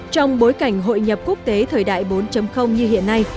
trong bối cảnh hội nhập quốc tế thời đại bốn như hiện nay